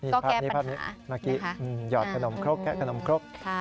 ก็แก้ปัญหานะคะค่ะค่ะอืมยอดขนมครกแก้ขนมครกค่ะค่ะค่ะ